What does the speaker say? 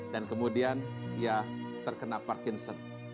dan kemudian ia terkena parkinson